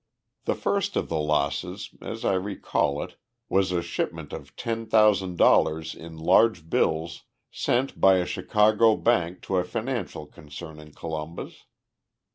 The first of the losses, as I recall it, was a shipment of ten thousand dollars in large bills sent by a Chicago bank to a financial concern in Columbus.